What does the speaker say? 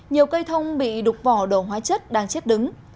nhiều cây thông bị đục vỏ đổ hóa chất đang chết đứng